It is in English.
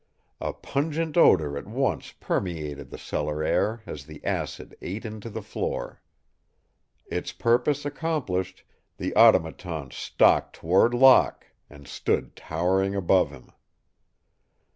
A pungent odor at once permeated the cellar air as the acid ate into the floor. Its purpose accomplished, the Automaton stalked toward Locke, and stood towering above him.